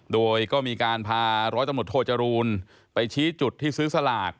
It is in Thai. โดยก็มีการพาร้อยตำรวจโทจรูลไปชี้จุดที่ซื้อสลาก